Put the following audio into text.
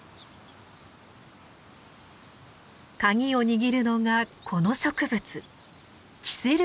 鍵を握るのがこの植物